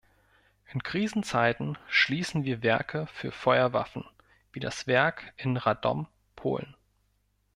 In Krisenzeiten schließen wir Werke für Feuerwaffen, wie das Werk in Radom, Polen.